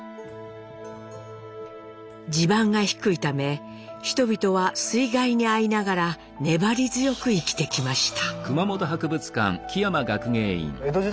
地盤が低いため人々は水害に遭いながら粘り強く生きてきました。